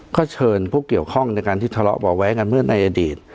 ก็เชิญผู้เกี่ยวข้องในการที่ทะเลาะเบาะแว้งกันเมื่อในอดีต